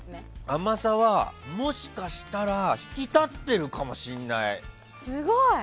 甘さはもしかしたら引き立ってるかもしれない。